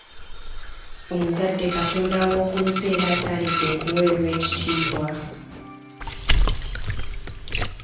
Omuzadde Katonda w’oku nsi era asaanidde okuweebwa ekitiibwa.